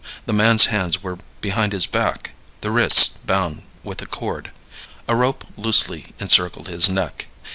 The man's hands were behind his back, the wrists bound with a cord. A rope loosely encircled his neck.